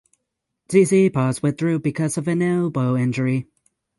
Tsitsipas withdrew because of an elbow injury.